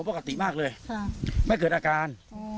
ปกติมากเลยไม่เกิดอาการ